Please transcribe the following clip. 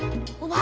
あ。